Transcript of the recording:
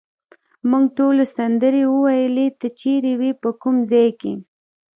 موږ ټولو سندرې وویلې، ته چیرې وې، په کوم ځای کې؟